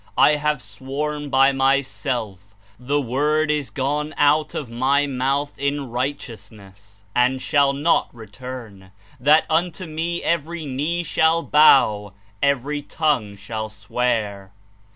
I have sworn by myself, the word is gone out of my mouth in righteousness, and shall not return, that unto me every knee shall bow, every tongue shall szi ear.''